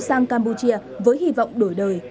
sang campuchia với hy vọng đổi đời